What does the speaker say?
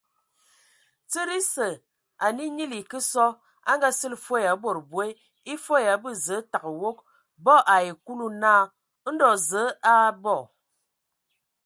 Tsid esǝ, ane nyili e kǝ sɔ, e Ngaa- sili fwe ya bod boe; e fwe ya abə zəə tǝgǝ wog. Bɔ ai Kulu naa : Ndɔ Zǝə a abɔ.